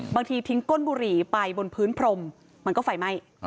บางทีทิ้งก้นบุหรี่ไปบนพื้นพรมมันก็ไฟไหม้